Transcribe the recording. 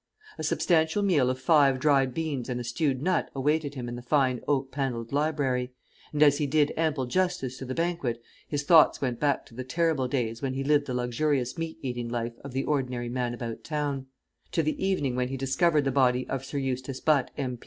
A substantial meal of five dried beans and a stewed nut awaited him in the fine oak panelled library; and as he did ample justice to the banquet his thoughts went back to the terrible days when he lived the luxurious meat eating life of the ordinary man about town; to the evening when he discovered the body of Sir Eustace Butt, M.